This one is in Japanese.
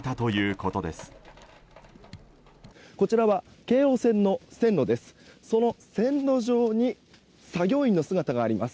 こちらは京王線の線路です。